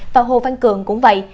và hồ văn cường cũng vậy